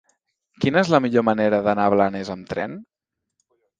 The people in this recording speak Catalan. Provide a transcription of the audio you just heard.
Quina és la millor manera d'anar a Blanes amb tren?